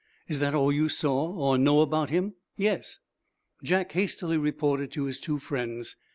"Is that all you saw, or know about him?" "Yes." Jack hastily reported to his two friends.